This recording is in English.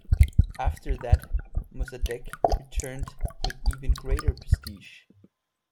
After that, Mossadegh returned with even greater prestige.